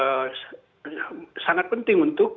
nah karena itu sangat penting untuk kita